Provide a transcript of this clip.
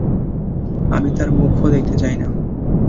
আমি তার মুখও দেখতে চাই না।